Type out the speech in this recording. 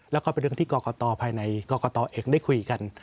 แล้วก็เป็นเรื่องที่กรกตภายในกรกตเองได้คุยกัน